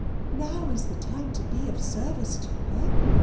Now is the time to be of service to her.